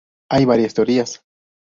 Hay varias teorías.